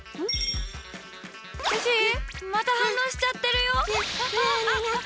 キャシーまた反応しちゃってるよ。